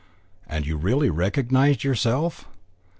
"And you really recognised yourself?"